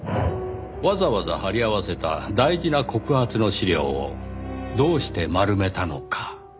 わざわざ貼り合わせた大事な告発の資料をどうして丸めたのか？